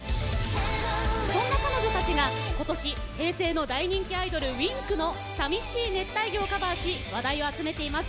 そんな彼女たちが今年平成の大人気アイドルＷｉｎｋの「淋しい熱帯魚」をカバーし話題を集めています。